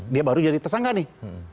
dia baru jadi tersangka nih